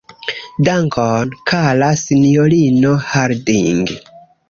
Dankon, kara sinjorino Harding.